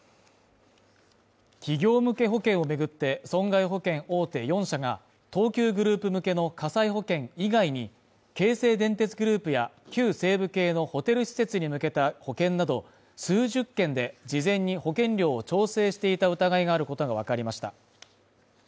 企業向け保険を巡って損害保険大手４社が東急グループ向けの火災保険以外に京成電鉄グループや旧西武系のホテル施設に向けた保険など数十件で事前に保険料を調整していた疑いがあることが分かりました